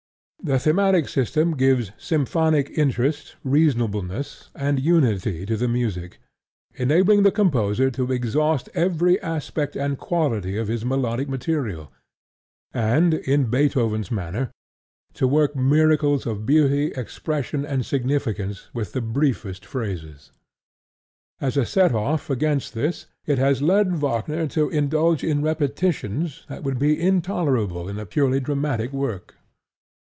The thematic system gives symphonic interest, reasonableness, and unity to the music, enabling the composer to exhaust every aspect and quality of his melodic material, and, in Beethoven's manner, to work miracles of beauty, expression and significance with the briefest phrases. As a set off against this, it has led Wagner to indulge in repetitions that would be intolerable in a purely dramatic work.